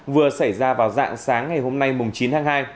vừa xảy ra vào dạng sáng ngày hôm nay chín tháng hai